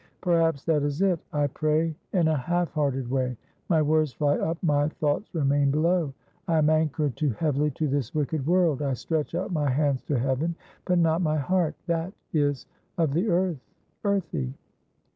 ' Perhaps that is it. I pray in a half hearted way. " My words fly up, my thoughts remain below." I am anchored too '/ deme that Hire Herte was Ful of Wo.' 215 heavily to this wicked world. I stretch out my hands to heaven, but not my heart : that is of the earth earthy.'